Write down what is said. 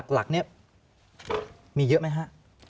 หลักนี้มีเยอะไหมฮะ